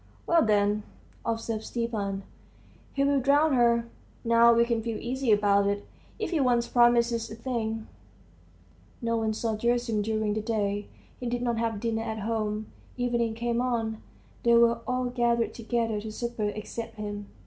"Well, then," observed Stepan, "he'll drown her. Now we can feel easy about it. If he once promises a thing ..." No one saw Gerasim during the day. He did not have dinner at home. Evening came on; they were all gathered together to supper, except him.